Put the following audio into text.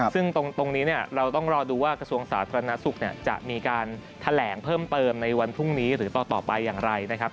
ซึ่งตรงนี้เนี่ยเราต้องรอดูว่ากระทรวงสาธารณสุขจะมีการแถลงเพิ่มเติมในวันพรุ่งนี้หรือต่อไปอย่างไรนะครับ